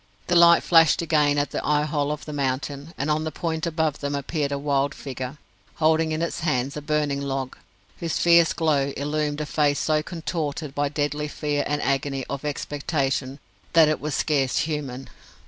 The light flashed again at the eye hole of the mountain, and on the point above them appeared a wild figure, holding in its hands a burning log, whose fierce glow illumined a face so contorted by deadly fear and agony of expectation that it was scarce human.